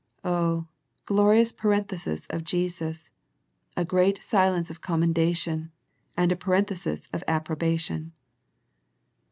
Oh, glorious parenthesis of Jesus, a great silence of commendation, and a parenthesis of approbation.